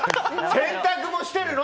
洗濯もしてるの。